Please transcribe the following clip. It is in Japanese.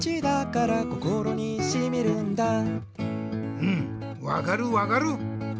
うんわかるわかる。